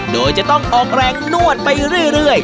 โดยจะต้องออกแรงนวดไปเรื่อย